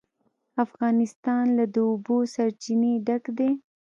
افغانستان له د اوبو سرچینې ډک دی.